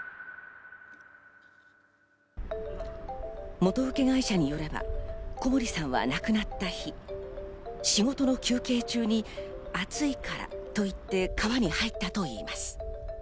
元請会社によれば小森さんは亡くなった日、仕事の休憩中に暑いからといって川に入ったといいます。